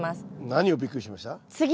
何をびっくりしました？